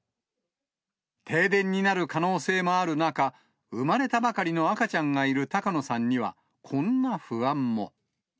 停電になる可能性もある中、産まれたばかりの赤ちゃんがいる高野さんには、こんな不安も。